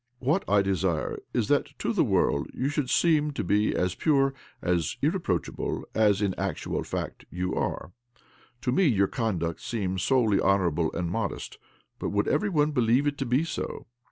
What I diesire is that to the world you should' seem' toi be as pure, as irreproachable, as in actual fact you are^ To me your conduct seems solely honour able and modest ; but would every one believe it to be so